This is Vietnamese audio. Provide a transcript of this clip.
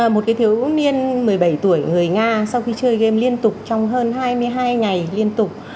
một cái thiếu niên một mươi bảy tuổi người nga sau khi chơi game liên tục trong hơn hai mươi hai ngày liên tục